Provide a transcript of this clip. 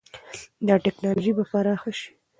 دا ټکنالوژي به پراخه شي.